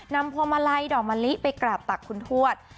พวงมาลัยดอกมะลิไปกราบตักคุณทวด